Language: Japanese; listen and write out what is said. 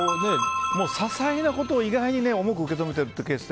些細なことを意外と重く受け止めてるケースが。